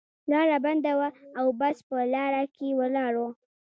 لاره بنده وه او بس په لار کې ولاړ و.